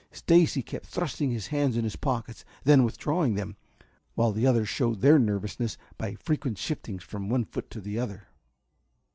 Stacy kept thrusting his hands in his pockets, then withdrawing them, while the others showed their nervousness by frequent shiftings from one foot to the other.